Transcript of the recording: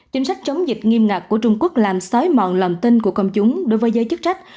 chính sách chống dịch nghiêm ngặt của trung quốc làm xói mòn lòng tin của công chúng đối với giới chức trách